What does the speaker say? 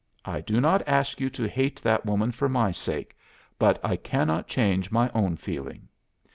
I do not ask you to hate that woman for my sake, but I cannot change my own feeling.